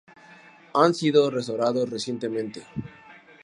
Han sido restaurados recientemente.